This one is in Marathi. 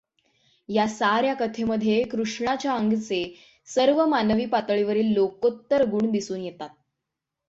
या साऱ्या कथेमध्ये कृष्णाच्या अंगचे सर्व मानवी पातळीवरील लोकोत्तर गुण दिसून येतात.